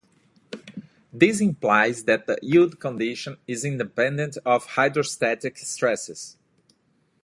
This implies that the yield condition is independent of hydrostatic stresses.